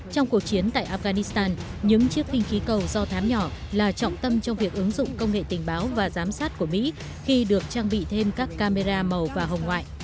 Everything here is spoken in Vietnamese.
trong cuộc chiến tại afghanistan những chiếc khinh khí cầu do thám nhỏ là trọng tâm trong việc ứng dụng công nghệ tình báo và giám sát của mỹ khi được trang bị thêm các camera màu và hồng ngoại